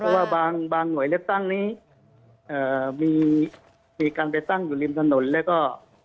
เพราะว่าบางหน่วยเลือกตั้งนี้มีการไปตั้งอยู่ริมถนนแล้วก็